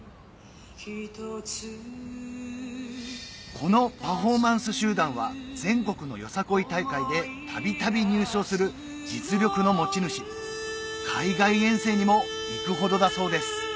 このパフォーマンス集団は全国のよさこい大会でたびたび入賞する実力の持ち主海外遠征にも行くほどだそうですお！